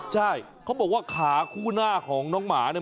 ใช่เขาบอกว่าขาคู่หน้าของน้องหมาเนี่ย